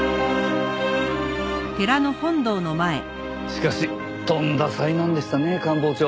しかしとんだ災難でしたね官房長。